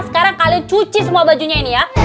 sekarang kalian cuci semua bajunya ini ya